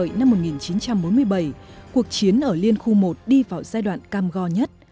từ sau tết nguyên đán đinh hợi năm một nghìn chín trăm bốn mươi bảy cuộc chiến ở liên khu một đi vào giai đoạn cam go nhất